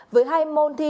với hai môn thi